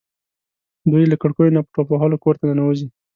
دوی له کړکیو نه په ټوپ وهلو کور ته ننوځي.